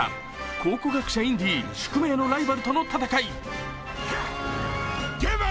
考古学者・インディ宿命のライバルとの戦い。